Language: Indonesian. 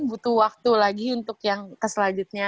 butuh waktu lagi untuk yang keselanjutnya